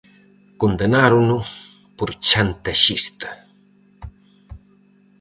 Condenárono por chantaxista.